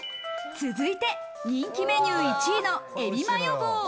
続いて人気メニュー１位の海老マヨ棒。